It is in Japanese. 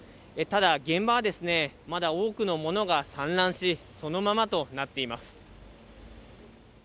ただ、現場はまだ多くのものが散乱し、そのままとなっています。